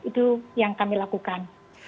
itu yang kami lakukan